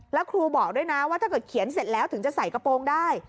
แล้วครูบอกด้วยนะว่าถ้าเกิดเขียนเสร็จแล้วถึงจะใส่กระโปรงได้